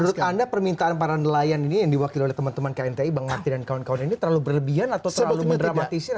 menurut anda permintaan para nelayan ini yang diwakil oleh teman teman knti bang hati dan kawan kawan ini terlalu berlebihan atau terlalu mendramatisir